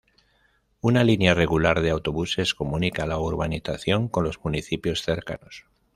Una línea regular de autobuses comunica la urbanización con los municipios cercanos.